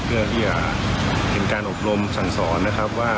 เพื่อที่จะเห็นการอบรมสั่งสอนนะครับว่า